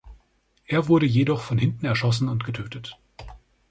Er wurde jedoch von hinten erschossen und getötet.